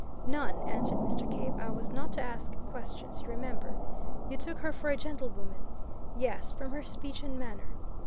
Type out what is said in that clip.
"None!" answered Mr. Cave. "I was not to ask questions, you remember." "You took her for a gentlewoman?" "Yes from her speech and manner."